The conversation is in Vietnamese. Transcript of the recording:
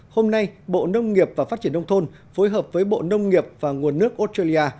hôm nay bộ nông nghiệp và phát triển nông thôn phối hợp với bộ nông nghiệp và nguồn nước australia